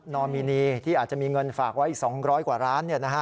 นอมินีที่อาจจะมีเงินฝากไว้๒๐๐กว่าร้าน